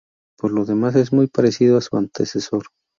Por lo demás es muy parecido a su antecesor.